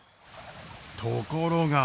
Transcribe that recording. ところが。